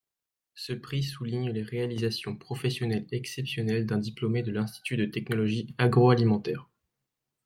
Ce prix souligne les réalisations professionnelles exceptionnelles d’un diplômé de l'Institut de Technologie Agroalimentaire.